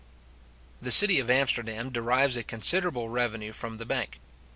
The city of Amsterdam derives a considerable revenue from the bank.